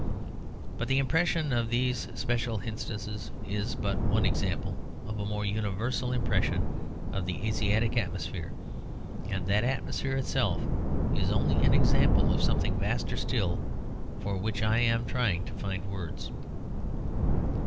But the impression of these special instances is but one example of a more universal impression of the Asiatic atmosphere; and that atmosphere itself is only an example of something vaster still for which I am trying to find words.